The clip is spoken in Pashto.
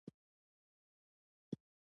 تنوع د افغانستان د کلتوري میراث برخه ده.